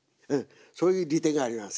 そういう利点があります。